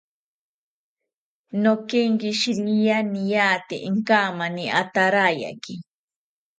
Nokenkishiria niataki inkamani atarayaki